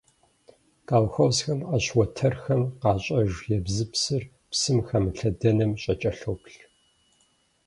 Колхозхэм Ӏэщ уэтэрхэм къащӀэж ебзыпсыр псым хэмылъэдэным щакӀэлъоплъ.